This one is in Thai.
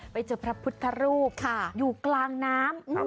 ไปเจอพระพุทธรูปอยู่กลางน้ำ